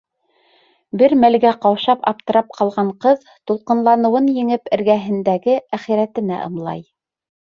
Бер мәлгә ҡаушап, аптырап ҡалған ҡыҙ, тулҡынланыуын еңеп, эргәһендәге әхирәтенә ымлай.